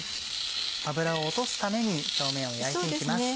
脂を落とすために表面を焼いて行きます。